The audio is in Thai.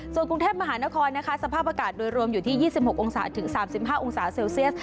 ส่วนกรุงเทพมหานครนะคะสภาพอากาศโดยรวมอยู่ที่๒๖องศาถึง๓๕องศาเซลเซียส